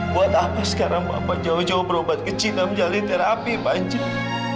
buat apa sekarang papa jauh jauh berobat kecil dan menjalin terapi panjang